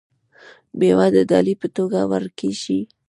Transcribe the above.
میوې د ډالۍ په توګه وړل کیږي.